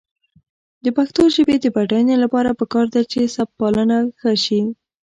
د پښتو ژبې د بډاینې لپاره پکار ده چې سبکپالنه ښه شي.